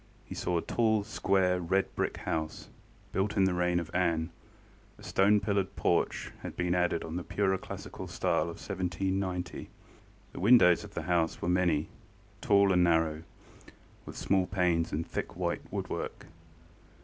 He saw a tall, square, red brick house, built in the reign of Anne; a stone pillared porch had been added in the purer classical style of 1790; the windows of the house were many, tall and narrow, with small panes and thick white woodwork.